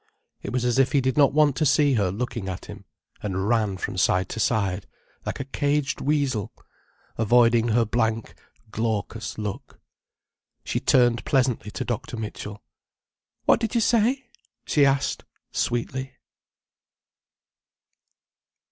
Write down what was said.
It was as if he did not want to see her looking at him, and ran from side to side like a caged weasel, avoiding her blank, glaucous look. She turned pleasantly to Dr. Mitchell. "What did you say?" she asked sweetly.